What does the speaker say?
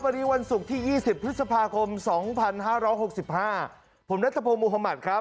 วันนี้วันศุกร์ที่๒๐พฤษภาคม๒๕๖๕ผมนัทพงศ์มุธมัติครับ